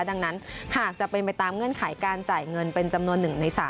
ดังนั้นหากจะเป็นไปตามเงื่อนไขการจ่ายเงินเป็นจำนวน๑ใน๓